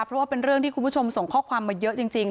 เพราะว่าเป็นเรื่องที่คุณผู้ชมส่งข้อความมาเยอะจริง